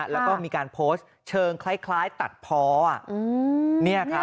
แล้วก็มีการโพสต์เชิงคล้ายตัดพออ่ะอืมเนี่ยครับเนี่ย